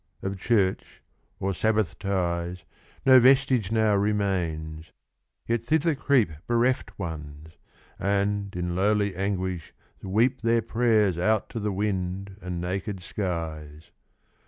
Of church, or sabbath ties, 5 No vestige now remains; yet thither creep Bereft Ones, and in lowly anguish weep Their prayers out to the wind and naked skies.